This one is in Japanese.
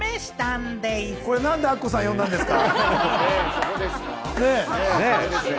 何でこれ、アッコさん呼んだんですか？